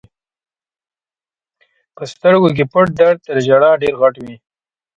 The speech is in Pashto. په سترګو کې پټ درد تر ژړا ډېر غټ وي.